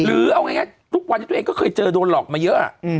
หรือเอาไงทุกวันที่ตัวเองก็เคยเจอโดนหลอกมาเยอะอ่ะ